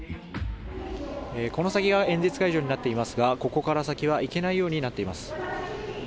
この先が演説会場になっていますがここから先は行けないようになっています。